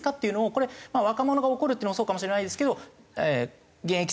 これ若者が怒るっていうのもそうかもしれないですけど現役世代